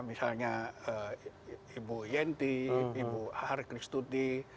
misalnya ibu yenti ibu harkristuti